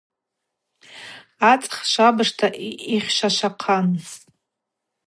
Ацӏх швабыжта йхьшвашвахъан.